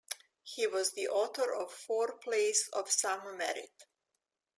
He was the author of four plays of some merit.